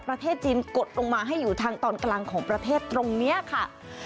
ประเทศจีนกดลงมาให้อยู่ทางตอนกลางของประเทศตรงนี้ค่ะ